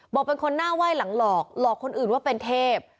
บอกเป็นคนหน้าไหว้หลังหลอกหลอกคนอื่นว่าเป็นเทพ